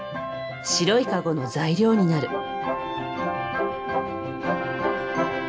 白いかごの材料になる。